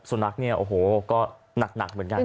สุนักก็หนักเหมือนกัน